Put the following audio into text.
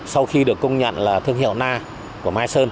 sau khi được công nhận là thương hiệu na của mai sơn